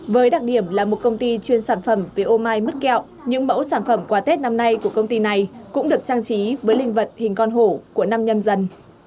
với đặc điểm là một công ty chuyên sản phẩm về ô mai mứt kẹo những mẫu sản phẩm quà tết năm nay của công ty này cũng được trang trí với linh vật hình con hổ của năm nhâm dần